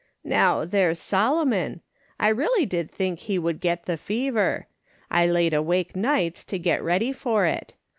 "Kow, there's Solomon, I really did think he would get the fever. I laid awake nights to get ready for it.